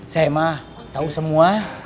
saya mah tau semua